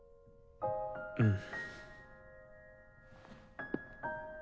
うん。